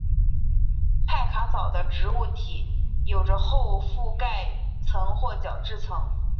派卡藻的植物体有着厚覆盖层或角质层。